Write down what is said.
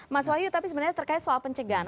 mas wahyu tapi sebenarnya terkait soal pencegahan